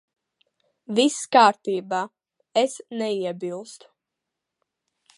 Viss kārtībā. Es neiebilstu.